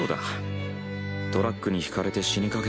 トラックにひかれて死にかけてる俺の。